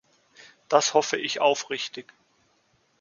Das hoffe ich aufrichtig.